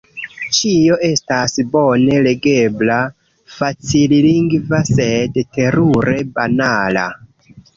Ĉio estas bone legebla, facillingva, sed – terure banala!